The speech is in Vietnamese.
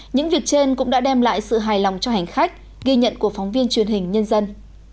những việc trên cũng đã đem lại sự hài lòng cho hành khách ghi nhận của phóng viên truyền hình nhân dân